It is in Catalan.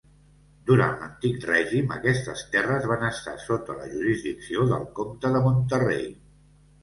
Durant l'Antic Règim aquestes terres van estar sota la jurisdicció del Comte de Monterrei.